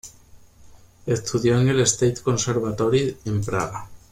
Estudió en el "State Conservatory" en Praga.